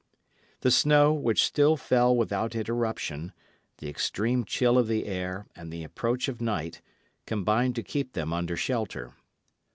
The snow, which still fell without interruption, the extreme chill of the air, and the approach of night, combined to keep them under shelter.